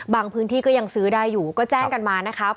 พื้นที่ก็ยังซื้อได้อยู่ก็แจ้งกันมานะคะ